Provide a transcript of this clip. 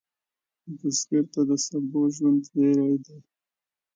بزګر ته د سبو ژوند زېری دی